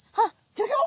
ギョギョ！